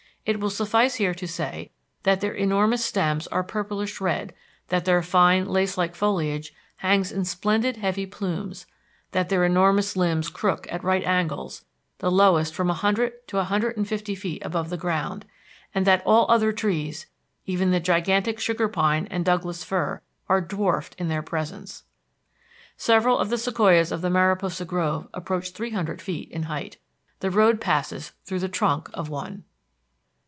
It will suffice here to say that their enormous stems are purplish red, that their fine, lace like foliage hangs in splendid heavy plumes, that their enormous limbs crook at right angles, the lowest from a hundred to a hundred and fifty feet above the ground, and that all other trees, even the gigantic sugar pine and Douglas fir, are dwarfed in their presence. Several of the sequoias of the Mariposa grove approach three hundred feet in height. The road passes through the trunk of one.